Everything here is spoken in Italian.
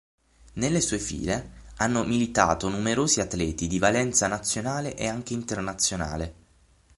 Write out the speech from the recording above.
Nelle sue file hanno militato numerosi atleti di valenza nazionale e anche internazionale.